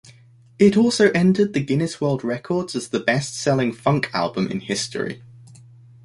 It also entered the Guinness World Records as the best-selling funk album in history.